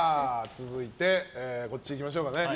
続いて、こっちいきましょう。